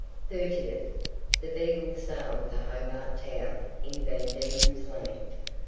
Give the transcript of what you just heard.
30th. The Beagle sailed for Hobart Town in Van Diemen's Land.